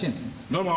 どうも。